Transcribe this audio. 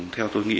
theo tôi nghĩ